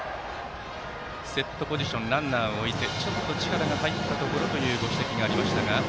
セットポジションランナーを置いてちょっと力が入ったところというご指摘がありましたが。